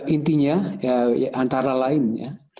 intinya antara lainnya